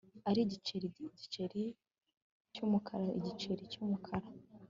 Ah igiceri igiceri cyumukara igiceri cyumukara